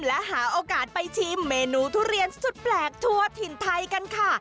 และหาโอกาสไปชิมเมนูทุเรียนสุดแปลกทั่วถิ่นไทยกันค่ะ